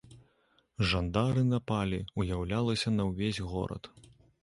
Жандары напалі, уяўлялася, на ўвесь горад.